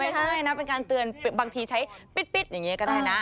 ใช่นะเป็นการเตือนบางทีใช้ปิ๊ดอย่างนี้ก็ได้นะ